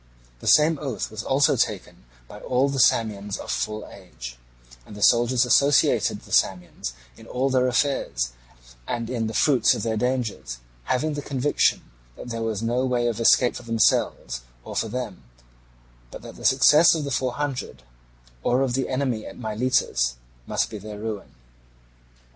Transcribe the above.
The same oath was also taken by all the Samians of full age; and the soldiers associated the Samians in all their affairs and in the fruits of their dangers, having the conviction that there was no way of escape for themselves or for them, but that the success of the Four Hundred or of the enemy at Miletus must be their ruin.